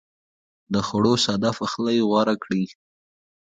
د خوړو ساده پخلی غوره کړئ.